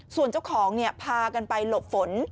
ส่วนเจ้าของพากันไปหลบฝน